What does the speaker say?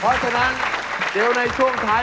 เพราะฉะนั้นเดี๋ยวในช่วงท้าย